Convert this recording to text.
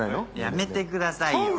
やめてくださいよ。